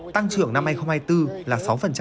tăng trưởng năm hai nghìn hai mươi bốn là sáu